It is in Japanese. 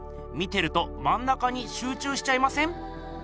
見てるとまん中にしゅう中しちゃいません？